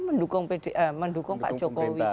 mendukung pak jokowi